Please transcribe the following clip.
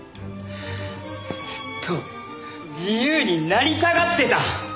ずっと自由になりたがってた。